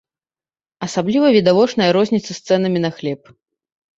Асабліва відавочная розніца з цэнамі на хлеб.